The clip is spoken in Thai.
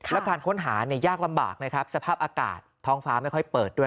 และการค้นหายากลำบากนะครับสภาพอากาศท้องฟ้าไม่ค่อยเปิดด้วย